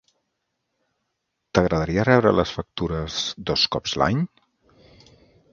T'agradaria rebre les factures dos cops l'any?